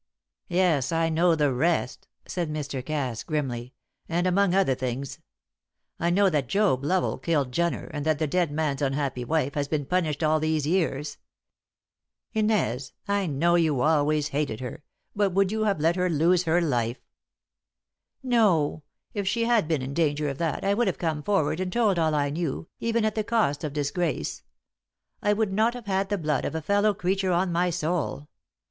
"Yes, I know the rest," said Mr. Cass, grimly; "and, among other things. I know that Job Lovell killed Jenner, and that the dead man's unhappy wife has been punished all these years. Inez, I know you always hated her, but would you have let her lose her life?" "No; if she had been in danger of that, I would have come forward and told all I knew, even at the cost of disgrace; I would not have had the blood of a fellow creature on my soul.